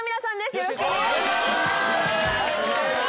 よろしくお願いします。